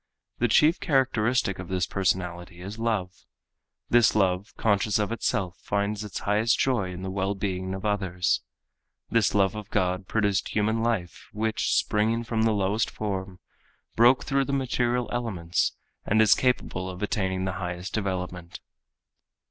The chief characteristic of this personality is love. This love conscious of itself finds its highest joy in the well being of others. This love of God produced human life which, springing from the lowest form, broke through the material elements and is capable of attaining the highest development.